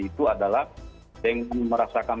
itu adalah dengan merasakan